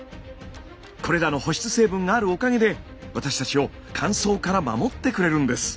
これらの保湿成分があるおかげで私たちを乾燥から守ってくれるんです。